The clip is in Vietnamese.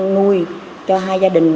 nuôi cho hai gia đình